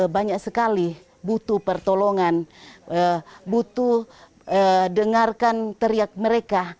banyak sekali butuh pertolongan butuh dengarkan teriak mereka